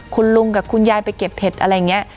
คุณลุงกับคุณยายไปเก็บเห็ดอะไรอย่างนี้